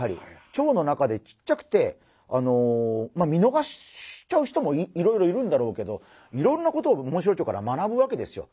チョウの中でちっちゃくてみのがしちゃう人もいろいろいるんだろうけどいろんなことをモンシロチョウから学ぶわけですよ。